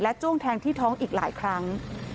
จ้วงแทงที่ท้องอีกหลายครั้ง